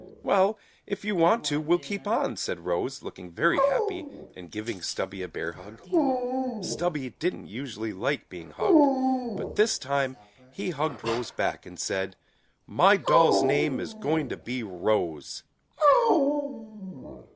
"Well, if you want to, we'll keep on," said Rose, looking very happy, and giving Stubby a bear hug. Stubby didn't usually like being hugged, but this time he hugged Rose back, and said, "My doll's name is going to be Rose."